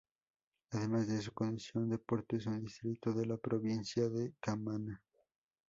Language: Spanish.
Además de su condición de puerto, es un distrito de la provincia de Camaná.